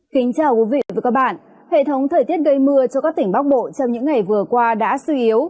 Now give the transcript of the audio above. kính chào quý vị và các bạn hệ thống thời tiết gây mưa cho các tỉnh bắc bộ trong những ngày vừa qua đã suy yếu